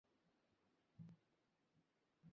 সদা-সর্বদা খুশি থাকা।